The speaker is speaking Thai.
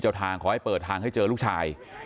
ทางขอให้เปิดทางให้เจอลูกชาย